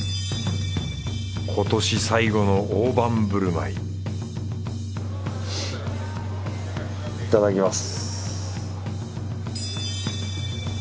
今年最後の大盤振る舞いいただきます。